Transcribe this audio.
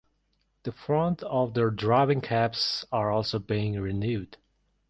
The front of the driving cabs are also being renewed.